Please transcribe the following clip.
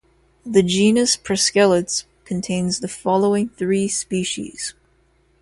The genus "Proscelotes" contains the following three species.